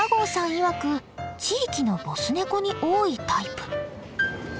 いわく地域のボスネコに多いタイプ。